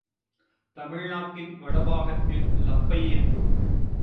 தமிழ்நாட்டின் வடபாகத்தில் லப்பையென்றும்